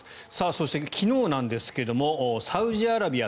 そして、昨日なんですがサウジアラビアＦＩＦＡ